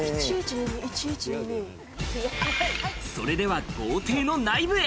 それでは豪邸の内部へ。